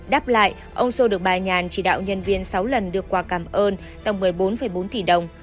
đáp lại ông sô được bài nhàn chỉ đạo nhân viên sáu lần đưa qua cảm ơn tầng một mươi bốn bốn tỷ đồng